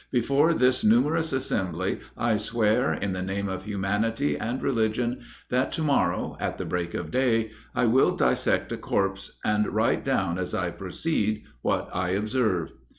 Before this numerous assembly I swear, in the name of humanity and religion, that to morrow, at the break of day, I will dissect a corpse, and write down as I proceed, what I observe."